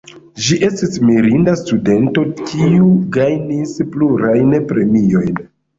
Li estis mirinda studento, kiu gajnis plurajn premiojn.